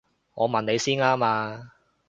我問你先啱啊！